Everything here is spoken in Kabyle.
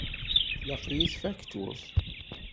Tlaq-iyi tfakturt.